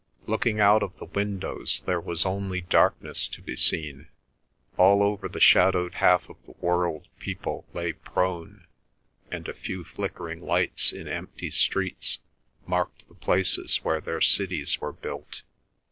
Looking out of the windows, there was only darkness to be seen. All over the shadowed half of the world people lay prone, and a few flickering lights in empty streets marked the places where their cities were built.